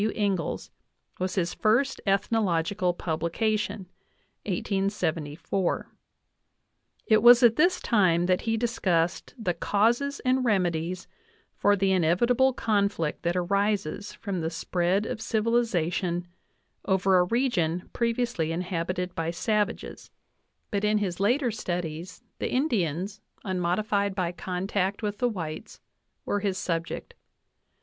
W. Ingalls, was his first ethnological publication (1874). It was at this time that he discussed the "causes and remedies" for the inevitable conflict that arises from the spread of civil ization over a region previously inhabited by savages ;" but in 61 NATIONAL, ACADEMY BIOGRAPHICAL, MEMOIRS VOL. VIII his later studies the Indians, unmodified by contact with the whites, were his subject.